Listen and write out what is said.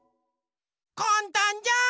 かんたんじゃん。